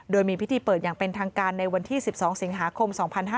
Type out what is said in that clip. โดยมีพิธีเปิดอย่างเป็นทางการในวันที่๑๒สิงหาคม๒๕๕๙